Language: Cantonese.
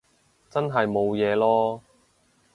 真係冇嘢囉